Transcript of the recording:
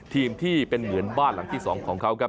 ที่เป็นเหมือนบ้านหลังที่๒ของเขาครับ